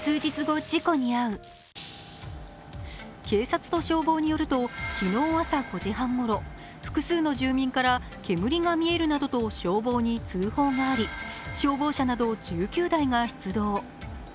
警察と消防によると昨日朝５時半ごろ、複数の住民から煙が見えるなどと消防に通報があり、消防車など１９台が出動。